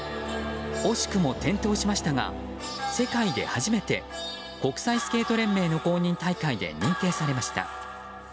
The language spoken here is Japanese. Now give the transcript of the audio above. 惜しくも転倒しましたが世界で初めて国際スケート連盟の公認大会で認定されました。